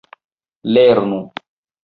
lernu